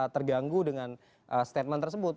terganggu dengan statement tersebut